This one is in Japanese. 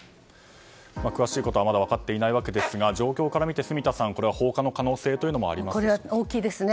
詳しいことはまだ分かっていないわけですが状況からみて、住田さん放火の可能性もありますか。